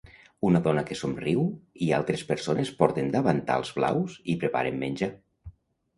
Una dona que somriu i altres persones porten davantals blaus i preparen menjar.